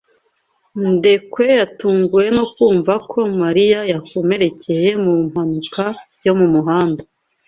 Ndekwe yatunguwe no kumva ko Marina yakomerekeye mu mpanuka yo mu muhanda.